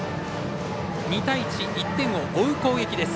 ２対１で１点を追う攻撃です。